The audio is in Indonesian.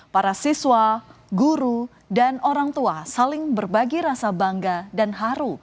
para siswa guru dan orang tua saling berbagi rasa bangga dan haru